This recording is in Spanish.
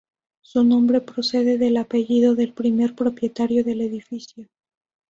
Su nombre procede del apellido del primer propietario del edificio.